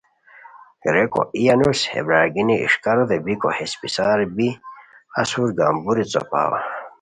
ریکو ای انوس ہے برارگینی اݰکاروت بیکو ہے اسپڅار بی اسور گمبوری څوپاؤ